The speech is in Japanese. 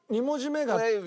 ２文字目が。